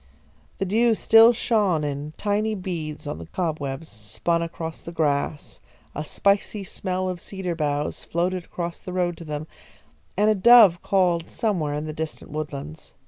The dew still shone in tiny beads on the cobwebs, spun across the grass, a spicy smell of cedar boughs floated across the road to them, and a dove called somewhere in the distant woodlands.